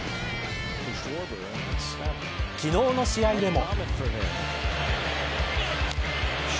昨日の試合でも。